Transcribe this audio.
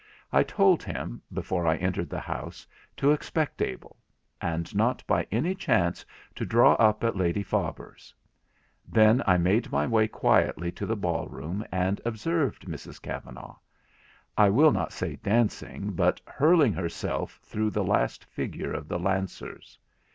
I told him, before I entered the house, to expect Abel; and not by any chance to draw up at Lady Faber's. Then I made my way quietly to the ball room and observed Mrs Kavanagh—I will not say dancing, but hurling herself through the last figure of the lancers.